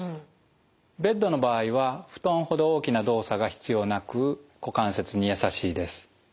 ベッドの場合は布団ほど大きな動作が必要なく股関節にやさしいです。